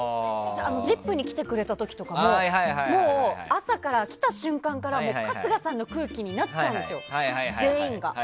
「ＺＩＰ！」に来てくれた時とかも朝から来た瞬間から春日さんの空気になっちゃうんですよ全員が。